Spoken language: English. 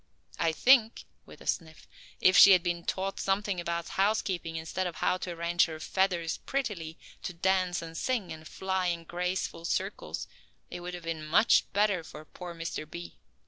I think," with a sniff, "if she had been taught something about housekeeping instead of how to arrange her feathers prettily, to dance and sing, and fly in graceful circles it would have been much better for poor Mr. B.